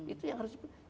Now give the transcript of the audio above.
itu yang harus diperlukan